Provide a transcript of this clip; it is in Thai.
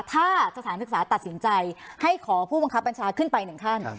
ถ้าสถานศึกษาตัดสินใจให้ขอผู้บังคับบัญชาขึ้นไปหนึ่งขั้น